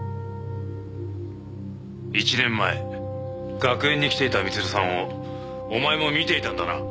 １年前学園に来ていた光留さんをお前も見ていたんだな？